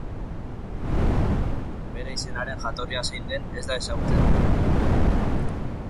Bere izenaren jatorria zein den ez da ezagutzen.